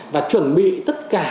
và chuẩn bị tất cả